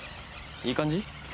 いい感じ？